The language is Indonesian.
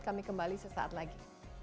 kami kembali sesaat lagi